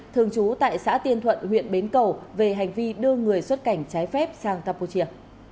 thường trú tại xã tiên thuận huyện bến cầu về hành vi đưa người xuất cảnh trái phép sang campuchia